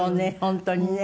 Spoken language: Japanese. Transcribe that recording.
本当にね。